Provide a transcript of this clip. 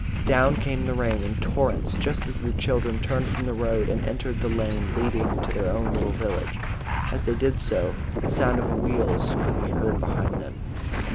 Down came the rain in torrents, just as the children turned from the road and entered the lane leading to their own little village. As they did so, the sound of wheels could be heard behind them.